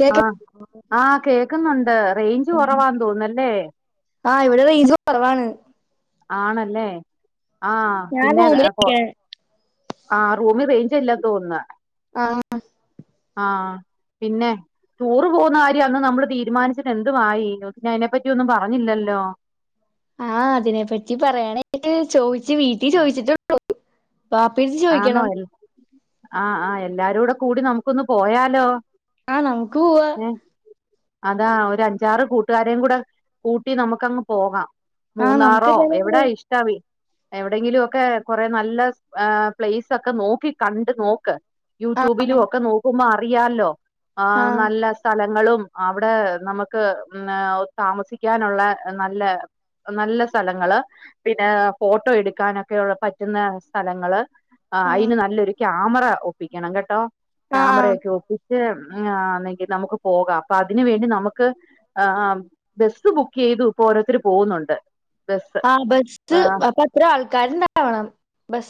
കേക്ക ആ ആ കേക്ക്ന്നുണ്ട് റേഞ്ച് കൊറവാന്ന് തോന്നുന്നു അല്ലേ? ആ ഇവടെ റേഞ്ച് കൊറവാണ്. ആണല്ലേ? ആ ഞാൻ പിന്നെ റേ കോ റൂമിലിരിക്കാണ് ആ റൂമി റേഞ്ചില്ല തോന്ന്ന്നെ ആ ആ പിന്നെ ടൂറ് പോവുന്ന കാര്യം അന്ന് നമ്മൾ തീരുമാനിച്ചിട്ട് എന്തുവായി പിന്നെ അതിനെ പറ്റിയൊന്നും പറഞ്ഞില്ലല്ലോ. ആഹ് അതിനെ പറ്റി പറയാനായിട്ട് ചോയിച്ച് വീട്ടി ചോയിച്ച്ട്ടോള്ളു. വാപ്പെട്ത്ത് ചോയിക്കണം. ആ ആ എല്ലാരുടെ കൂടി നമുക്കൊന്ന് പോയാലോ? ആ നമുക്ക് പൂവ ഏഹ് അതാ ഒരു അഞ്ചാറ് കൂട്ടുകാരേയും കൂടെ കൂട്ടി നമുക്കങ്ങ് പോകാം. ആഹ് നമുക്ക് മൂന്നാറോ എന്തായാലും എവിടാ പോവാ ഇഷ്ടാവി എവിടെയെങ്കിലും ഒക്കെ കൊറേ നല്ല സ് ഏ പ്ലേസ് ഒക്കെ നോക്കി കണ്ട് നോക്ക്. ആഹ് യൂട്യൂബിലും ഒക്കെ നോക്കുമ്പോ അ അറിയാല്ലോ ആ ആഹ് നല്ല സ്ഥല ങ്ങളും അവിടെ നമ്മക്ക് പിന്നെ ഒര് താമസിക്കാനുള്ളെ നല്ല നല്ല സ്ഥലങ്ങൾ പിന്നെ ഫോട്ടോ എടുക്കാനൊക്കെയുള്ള പറ്റുന്നെ സ്ഥലങ്ങൾ ആ അയിന് നല്ലൊരു ക്യാമറ ഒപ്പിക്കണം കേട്ടോ ആഹ് ക്യാമറ ആഹ് ഒക്കെ ഒപ്പി ക്ഷെ ആ ന്നേക്ക് നമുക്ക് പോകാം അപ്പൊ അതിൻ വേണ്ടി നമുക്ക് ആ ബെസ് ബുക്ക് ചെയ്തു ഇപ്പൊ ഓരോര്ത്തർ പോവുന്നുണ്ട് ആ ബസ് അപ്പൊ അത്രേ ആൾക്കാര് ഇണ്ടാവണം ബസ്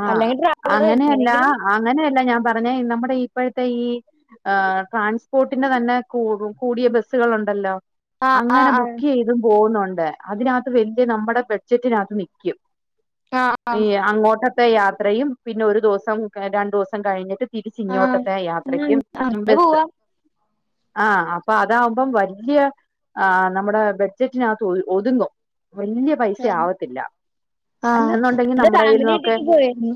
ആ അങ്ങനെയല്ല എങ്ങനെങ്കിലും അങ്ങനെയല്ല ഞാൻ പറഞ്ഞെ നമ്മുടെ ഇപ്പഴത്തെ ഈ ഏ ട്രാൻസ്പോർട്ടിന്റെ തന്നെ കൂ കൂടിയ ബസ്സുകൾ ഉണ്ടല്ലോ ആഹ് അങ്ങനെ ആഹ് ആഹ് ബുക്ക് ചെയ്തും പോവുന്നൊ ണ്ട്. അതിനാത്ത് വല്യ നമ്മടെ ബഡ്ജറ്റിനാത്ത് നിക്കും. ആഹ് ഈ ആഹ് അങ്ങോട്ട് ത്തെ യാത്രയും പിന്നെ ഒരു ദിവസം രണ്ടു ദിവസം കഴിഞ്ഞിട്ട് തിരിച്ച് ആഹ് ആഹ് ഇങ്ങോട്ടത്തെ യാത്രക്കും അങ്ങനെ ബസ്സ് പോവാ ആ അപ്പൊ അതാവുമ്പം വല്യ ആ നമ്മുടെ ബഡ്ജറ്റിനകത്ത് ഒത് ഒതുങ്ങും വല്യ പൈസ ആവത്തില്ല അല്ലെന്നൊണ്ടെങ്കി നമ്മടെ കയ്യിൽന്നോക്കെ മ്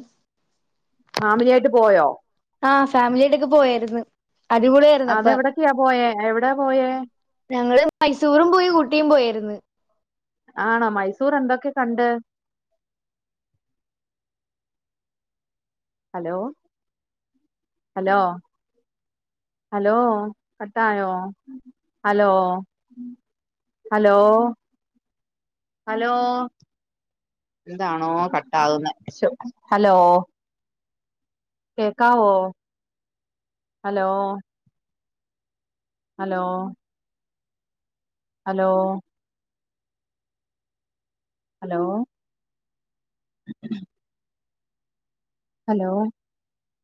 പോയോ ആ ഫാമിലിയായിട്ടൊക്കെ പോയാരുന്നു അത് പ്പ അതെവിടൊക്കെയാ പോയേ എവിടാ പോയേ ഞങ്ങള് മൈസൂറും പോയി ഊട്ടിയും പോയിരുന്നു. ആണോ മൈസൂർ എന്തൊക്കെ കണ്ട്? ഹലോ ഹലോ ഹലോ കട്ടായോ ഹലോ ഹലോ ഹലോ എന്താണോ കട്ടാകുന്നേ ശൊ ഹലോ കേക്കാവോ hello hello hello hello hello